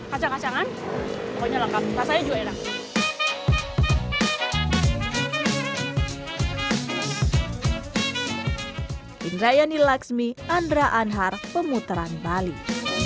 kacang kacangan pokoknya lengkap rasanya juga enak